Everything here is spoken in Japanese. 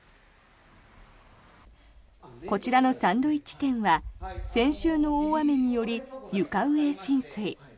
こちらのサンドイッチ店は先週の大雨により床上浸水。